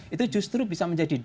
itu justru bisa menjadi dua tiga